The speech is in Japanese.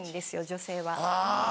女性は。